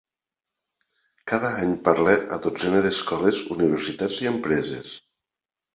Cada any parla a dotzenes d'escoles, universitats i empreses.